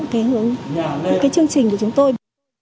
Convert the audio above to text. cái hướng cái chương trình của chúng tôi